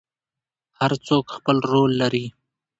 هر څوک خپل رول لري